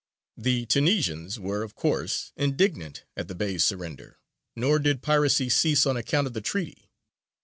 The Tunisians were, of course, indignant at the Bey's surrender, nor did piracy cease on account of the Treaty.